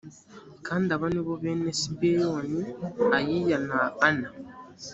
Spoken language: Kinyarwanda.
kandi aba ni bo bene sibeyoni ayiya na ana